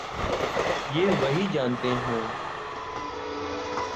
یہ وہی جانتے ہوں۔